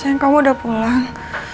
sayang kamu udah pulang